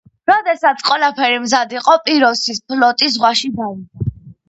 როდესაც ყველაფერი მზად იყო პიროსის ფლოტი ზღვაში გავიდა.